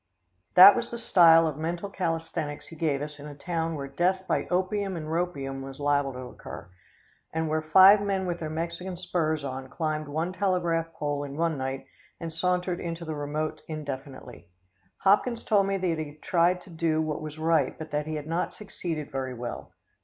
That was the style of mental calisthenics he gave us in a town where death by opium and ropium was liable to occur, and where five men with their Mexican spurs on climbed one telegraph pole in one night and sauntered into the remote indefinitely. Hopkins told me that he had tried to do what was right, but that he had not succeeded very well.